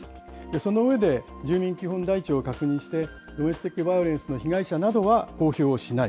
その上で住民基本台帳を確認して、ドメスティックバイオレンスなどの公表をしない。